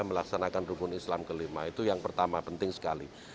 melaksanakan rukun islam kelima itu yang pertama penting sekali